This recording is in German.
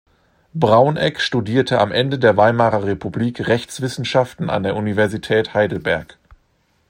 Brauneck studierte am Ende der Weimarer Republik Rechtswissenschaften an der Universität Heidelberg.